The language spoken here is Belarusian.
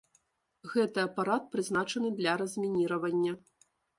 Гэты апарат прызначаны для размініравання.